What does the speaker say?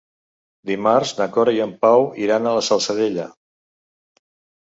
Dimarts na Cora i en Pau iran a la Salzadella.